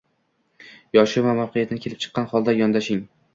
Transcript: Yoshi va mavqe’dan kelib chiqqan holda yondoshing.